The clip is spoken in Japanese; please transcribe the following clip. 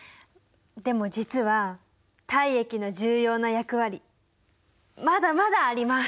でも実は体液の重要な役割まだまだあります！